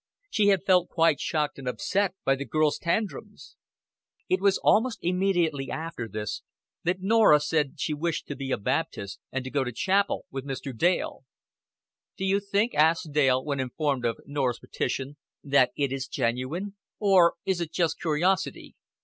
She had felt quite shocked and upset by the girl's tantrums. It was almost immediately after this that Norah said she wished to be a Baptist, and to go to chapel with Mr. Dale. "Do you think," asked Dale, when informed of Norah's petition, "that it is genuine? Or is it just curiosity?"